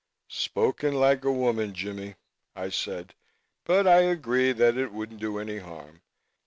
"Spoken like a woman, Jimmie," I said, "but I agree that it wouldn't do any harm.